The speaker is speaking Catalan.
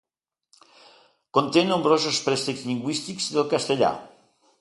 Conté nombrosos préstecs lingüístics del castellà.